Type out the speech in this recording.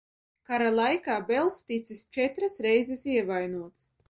Kara laikā Bells ticis četras reizes ievainots.